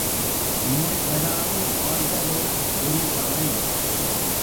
நோய் வராது வாழ்தலே ஒரு கலை.